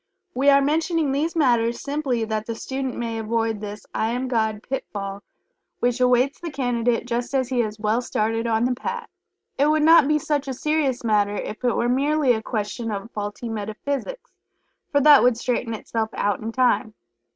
We are mentioning these matters simply that the student may avoid this "I Am God" pitfall which awaits the Candidate just as he has well started on the Path. It would not be such a serious matter if it were merely a question of faulty metaphysics, for that would straighten itself out in time.